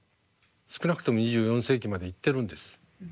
少なくとも２４世紀まで行ってるんです。